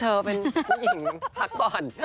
เธอเป็นผู้หญิงพักก่อน